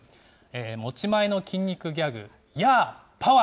持ち前の筋肉ギャグ、ヤー！パワー！